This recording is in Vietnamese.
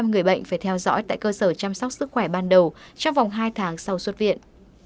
một mươi người bệnh phải theo dõi tại cơ sở chăm sóc sức khỏe ban đầu trong vòng hai tháng sau xuất viện